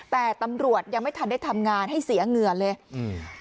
แต่ตำรวจยังไม่ทันได้ทำงานให้เสียเหงื่อเลยอืม